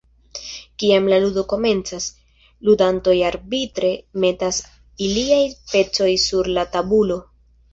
Kiam la ludo komencas, ludantoj arbitre metas iliaj pecoj sur la tabulo.